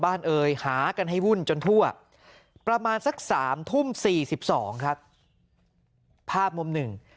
บ้านเอ่ยหากันให้วุ่นจนทั่วประมาณสัก๓ทุ่ม๔๒ครับภาพมุม